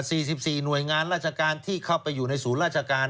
สี่สิบสี่หน่วยงานราชการที่เข้าไปอยู่ในศูนย์ราชการ